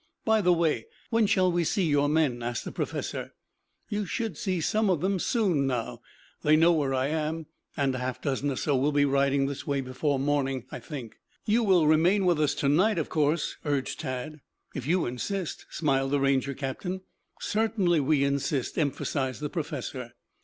"By the way, when shall we see your men?" asked the professor. "You should see some of them soon now. They know where I am, and a half dozen or so will be riding this way before morning, I think." "You will remain with us to night, of course?" urged Tad. "If you insist," smiled the Ranger captain. "Certainly we insist," emphasized the professor.